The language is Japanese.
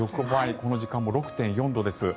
この時間も６．４度です。